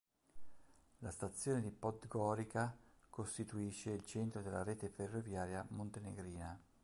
La stazione di Podgorica costituisce il centro della rete ferroviaria montenegrina.